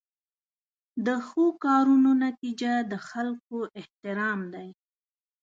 د ښو کارونو نتیجه د خلکو احترام دی.